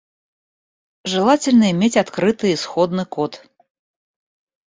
Желательно иметь открытый исходный код